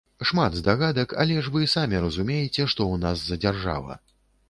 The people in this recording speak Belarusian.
Шмат здагадак, але ж вы самі разумееце, што ў нас за дзяржава.